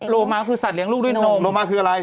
โลมาคือสัตเลี้ยลูกด้วยนมโลมาคืออะไร